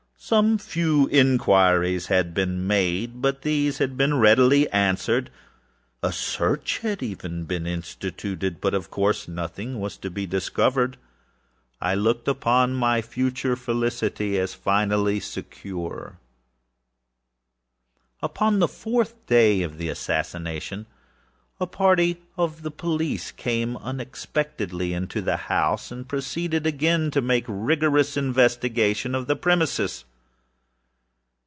Some few inquiries had been made, but these had been readily answered. Even a search had been institutedâbut of course nothing was to be discovered. I looked upon my future felicity as secured. Upon the fourth day of the assassination, a party of the police came, very unexpectedly, into the house, and proceeded again to make rigorous investigation of the premises.